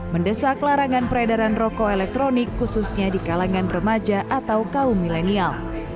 mendesak larangan peredaran rokok elektronik khususnya di kalangan remaja atau kaum milenial